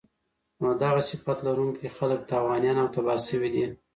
نو دغه صفت لرونکی خلک تاوانيان او تباه شوي دي